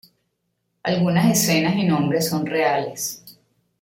Algunas escenas y nombres son reales.